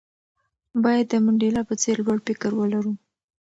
باید د منډېلا په څېر لوړ فکر ولرو.